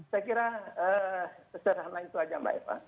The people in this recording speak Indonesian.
saya kira sederhana itu aja mbak eva